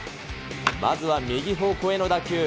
まずは右方向への打球。